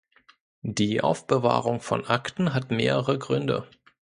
Die Aufbewahrung von Akten hat mehrere Gründe.